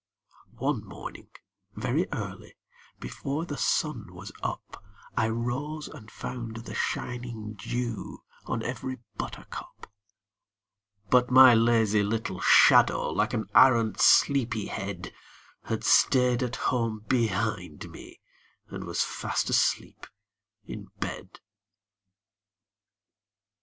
MY SHADOW [Pg 21] One morning, very early, before the sun was up, I rose and found the shining dew on every buttercup; But my lazy little shadow, like an arrant sleepy head, Had stayed at home behind me and was fast asleep in bed.